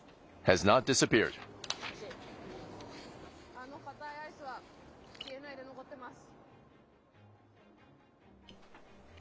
あのかたいアイスは消えないで残ってます。